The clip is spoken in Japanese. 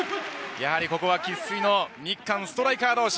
やはりここは生粋の日韓ストライカー同士。